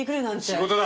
仕事だ。